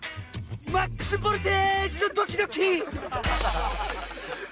マックスボルテージのドキドキ！